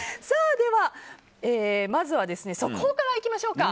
では、まずは速報からいきましょうか。